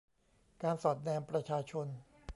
การสอดแนมประชาชน